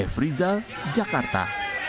f rizal jakarta